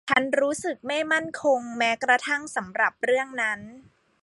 ฉันรู้สึกไม่มั่นคงแม้กระทั่งสำหรับเรื่องนั้น